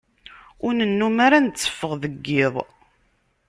Ur nennum ara netteffeɣ deg iḍ.